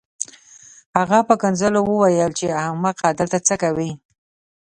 هغه په کنځلو وویل چې احمقه دلته څه کوې